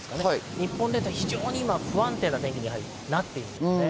日本列島、非常に不安定な状況に入っています。